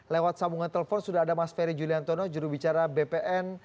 lewat sambungan telepon sudah ada mas ferry juliantono jurubicara bpn